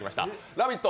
「ラヴィット！」